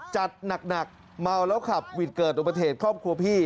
จัดหนักเมาแล้วขับหวิดเกิดอุบัติเหตุครอบครัวพี่